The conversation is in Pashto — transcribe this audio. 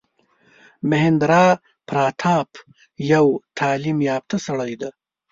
مهیندراپراتاپ یو تعلیم یافته سړی دی.